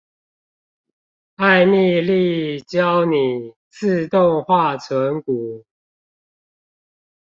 艾蜜莉教你自動化存股